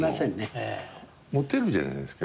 モテるじゃないですか